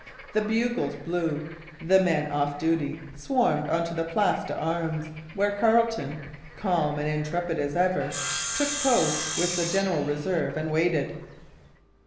The bugles blew. The men off duty swarmed on to the Place d'Armes, where Carleton, calm and intrepid as ever, took post with the general reserve and waited.